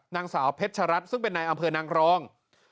นางสาวเพชรัตน์ซึ่งเป็นนายอำเภอนางรอง